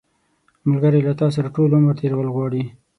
ملګری له تا سره ټول عمر تېرول غواړي